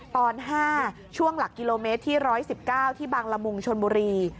ตอน๕ช่วงหลักกิโลเมตรที่๑๑๙ที่บางละมุงชนบุรี